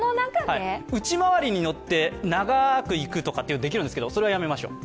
内回りに乗って長く行くとかできるんですが、それはやめましょう。